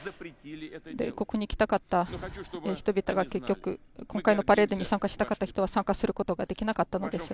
ここに来たかった人々が結局、今回のパレードに参加したかった人は参加することができなかったのです。